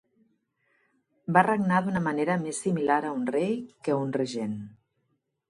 Va regnar d'una manera més similar a un rei que un regent.